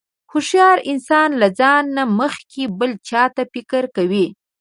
هوښیار انسان له ځان نه مخکې بل چاته فکر کوي.